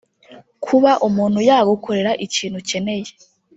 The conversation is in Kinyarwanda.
Kuba umuntu yagukorera ikintu ukeneye